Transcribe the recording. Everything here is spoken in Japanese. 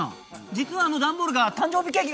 実はあの段ボールが誕生日ケーキが入っている。